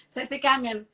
saya sih kangen